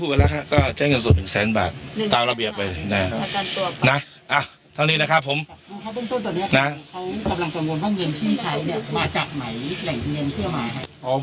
พรุ่งต้นตอนนี้ครับเค้ากำลังกังวลว่าเงินที่ใช้เนี่ยมาจากไหนไหนเงินเข้ามาครับ